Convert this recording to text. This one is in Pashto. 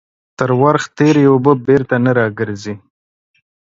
تر ورخ تيري اوبه بيرته نه راگرځي.